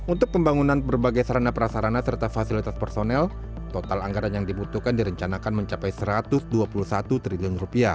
untuk pembangunan berbagai sarana prasarana serta fasilitas personel total anggaran yang dibutuhkan direncanakan mencapai rp satu ratus dua puluh satu triliun